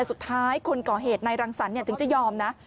สุดท้ายคนก่อเหตุนายรังสรรค์ถึงจะยอมนะ